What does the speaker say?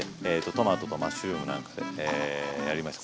トマトとマッシュルームなんかでやりました。